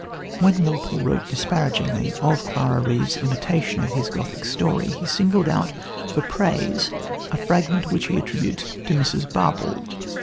When Walpole wrote disparagingly of Clara Reeve's imitation of his Gothic story, he singled out for praise a fragment which he attributes to Mrs. Barbauld.